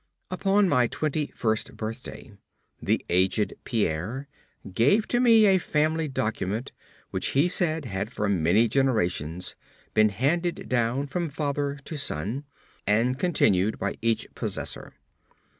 Upon my twenty first birthday, the aged Pierre gave to me a family document which he said had for many generations been handed down from father to son, and continued by each possessor.